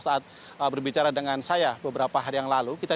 saat berbicara dengan saya beberapa hari yang lalu